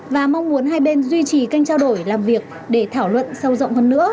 và mong muốn hai bên duy trì kênh trao đổi làm việc để thảo luận sâu rộng hơn nữa